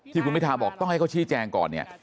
ที่คุณพิทาบอกต้องให้เขาชี้แจงก่อนเนี่ย